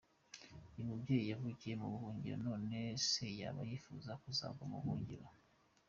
Uyu mubyeyi yavukiye mu buhungiro none se yaba yifuza kuzagwa no mu buhungiro?